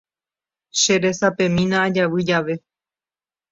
Cheresapemína ajavy jave.